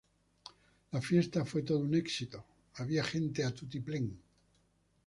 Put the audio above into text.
La fiesta fue todo un éxito, había gente a tutiplén